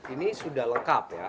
ini sudah lengkap ya